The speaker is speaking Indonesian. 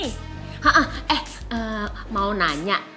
hah eh mau nanya